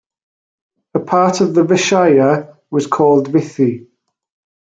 A part of the "Vishaya" was called "Vithi".